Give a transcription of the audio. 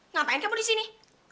ngapain kamu disini